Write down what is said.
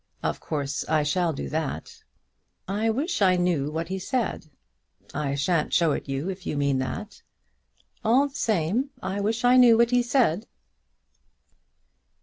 "Of course I shall do that." "I wish I knew what he said." "I shan't show it you, if you mean that." "All the same I wish I knew what he said."